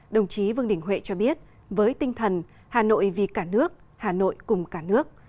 đồng chí vương đình huệ cho biết với tinh thần hà nội vì cả nước hà nội cùng cả nước